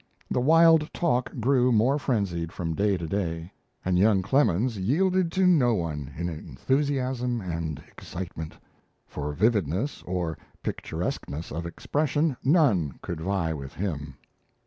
The wild talk grew more frenzied from day to day. And young Clemens yielded to no one in enthusiasm and excitement. For vividness or picturesqueness of expression none could vie with him.